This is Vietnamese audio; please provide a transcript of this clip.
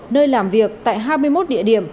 nơi làm việc tại hai mươi một địa điểm